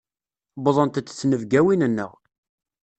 Wwḍent-d tnebgawin-nneɣ.